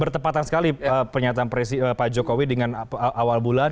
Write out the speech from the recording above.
bertepatan sekali pernyataan pak jokowi dengan awal bulan